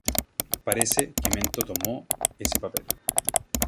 Parece que Mento tomó ese papel.